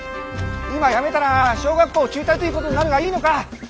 今やめたら小学校中退ということになるがいいのか？